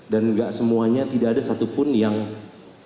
dan tidak semuanya tidak ada satupun yang kita